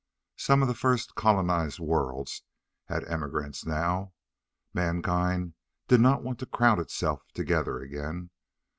Some of the first colonized worlds had emigrants, now. Mankind did not want to crowd itself together again!